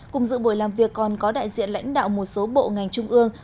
cùng dự buổi làm việc còn có đại diện lãnh đạo một số bộ ngành trung ương